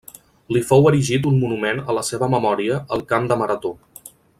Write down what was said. Li fou erigit un monument a la seva memòria al camp de Marató.